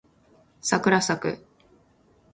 さくらさく